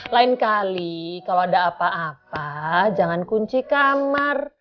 lain kali kalau ada apa apa jangan kunci kamar